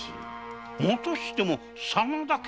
またしても真田家！？